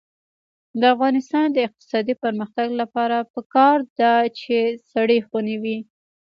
د افغانستان د اقتصادي پرمختګ لپاره پکار ده چې سړې خونې وي.